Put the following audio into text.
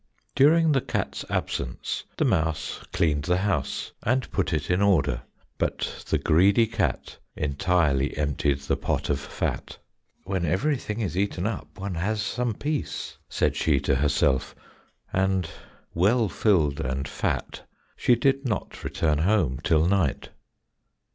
During the cat's absence the mouse cleaned the house, and put it in order but the greedy cat entirely emptied the pot of fat. "When everything is eaten up one has some peace," said she to herself, and well filled and fat she did not return home till night.